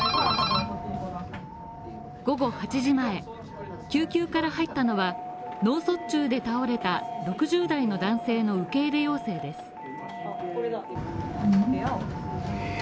午後８時前、救急から入ったのは脳卒中で倒れた６０代の男性の受け入れ要請です。